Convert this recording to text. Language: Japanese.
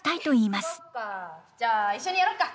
じゃあ一緒にやろっか。